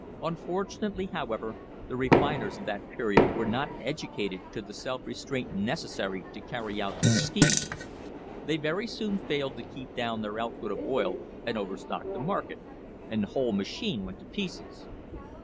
Unfortunately, however, the refiners of that period were not educated to the self restraint necessary to carry out this scheme. They very soon failed to keep down their out put of oil and overstocked the market, and the whole machine went to pieces. Mr.